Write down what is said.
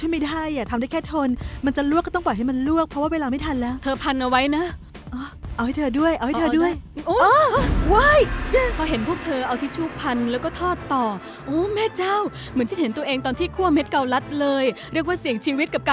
เมนูของหวังลิ้นเนี่ยที่ยากที่สุดก็คือขั้นตอนสุดท้ายนี่แหละ